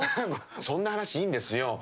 そんな話、いいんですよ。